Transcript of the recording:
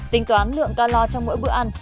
tính toán lượng calo trong mỗi bữa ăn